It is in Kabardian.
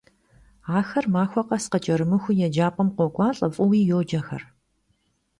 Axer maxue khes, khıç'erımıxuu, yêcap'em khok'ualh'e, f'ıui yocexer.